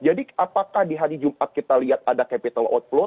jadi apakah di hari jumat kita lihat ada kemungkinan